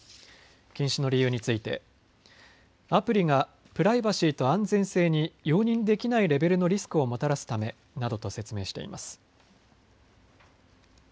禁止の理由についてアプリがプライバシーと安全性に容認できないレベルのリスクをもたらすためなどと説明しています。